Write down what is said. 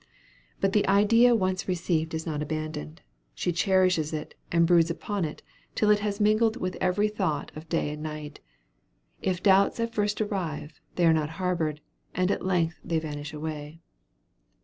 But the idea once received is not abandoned; she cherishes it, and broods upon it, till it has mingled with every thought of day and night. If doubts at first arise, they are not harbored, and at length they vanish away.